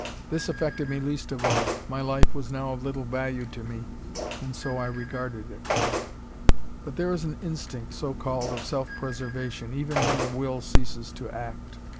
This affected me least of all. My life was now of little value to me, and so I regarded it. But there is an instinct, so called, of self preservation, even when the will ceases to act.